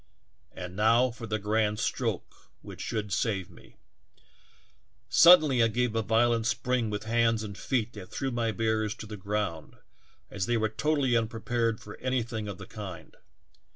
And now for the grand stroke which should save me ! "Suddenly I gave a violent spring with hands and feet that threw my bearers to the ground, as they were totally unprepared for anything of the kind.